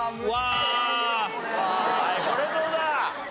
これどうだ？